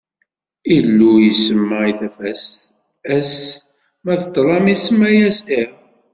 Illu isemma i tafat ass, ma d ṭṭlam isemma-as iḍ.